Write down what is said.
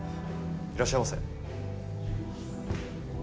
いらっしゃいませ。